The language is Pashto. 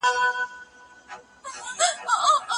خدمات به زیاتېږي.